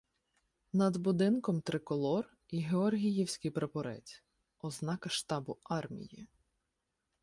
Над будинком триколор і георгіївський прапорець, ознака штабу армії.